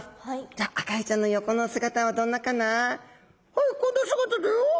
「はいこんな姿だよ」。